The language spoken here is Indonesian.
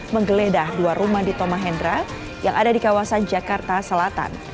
menggeledah dua rumah di tomahendra yang ada di kawasan jakarta selatan